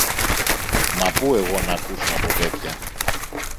Μα πού εγώ ν' ακούσω από τέτοια!